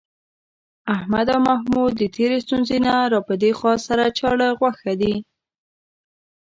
احمد او محمود د تېرې ستونزې نه را پدېخوا، سره چاړه غوښه دي.